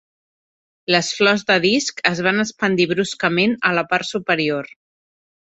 Les flors de disc es van expandir bruscament a la part superior.